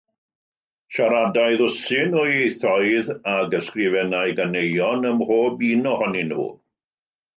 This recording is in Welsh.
Siaradai ddwsin o ieithoedd ac ysgrifennai ganeuon ym mhob un ohonyn nhw.